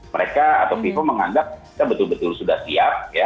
mereka atau fifa menganggap kita betul betul sudah siap ya